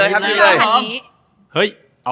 หยิบเลยนะ